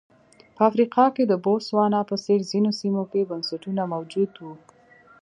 په افریقا کې د بوتسوانا په څېر ځینو سیمو کې بنسټونه موجود وو.